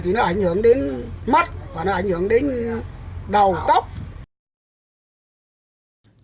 thì nó ảnh hưởng đến mắt và nó ảnh hưởng đến đầu tóc